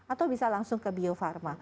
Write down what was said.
atau bisa langsung ke bio farma